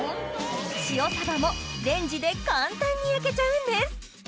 塩サバもレンジで簡単に焼けちゃうんです！